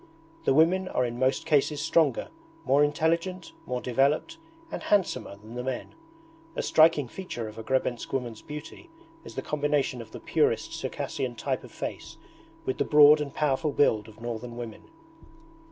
The women are in most cases stronger, more intelligent, more developed, and handsomer than the men. A striking feature of a Grebensk woman's beauty is the combination of the purest Circassian type of face with the broad and powerful build of Northern women.